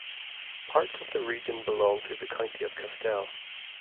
Parts of the region belonged to the county of Castell.